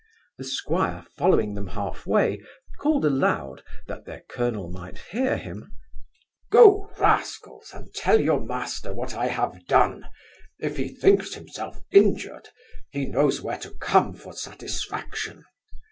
The squire, following them half way, called aloud, that the colonel might hear him, 'Go, rascals, and tell your master what I have done; if he thinks himself injured, he knows where to come for satisfaction.